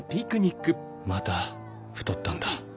また太ったんだ。